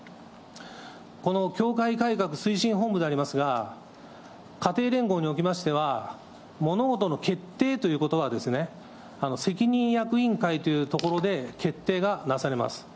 この教会改革推進本部でありますが、家庭連合におきましては、物事の決定ということは、責任役員会というところで決定がなされます。